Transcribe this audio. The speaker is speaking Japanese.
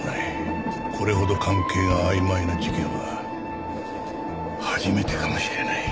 これほど関係が曖昧な事件は初めてかもしれない。